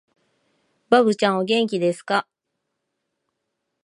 ばぶちゃん、お元気ですかー